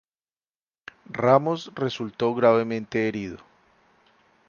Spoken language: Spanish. Ramos resultó gravemente herido.